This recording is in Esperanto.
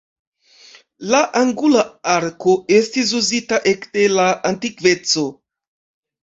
La angula arko estis uzita ekde la antikveco.